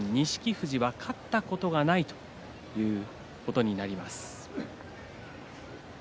富士は勝ったことがないということになります。